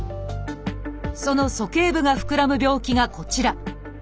その鼠径部がふくらむ病気がこちら。